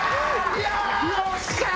よっしゃー！